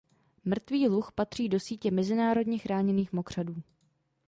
Mrtvý luh patří do sítě mezinárodně chráněných mokřadů.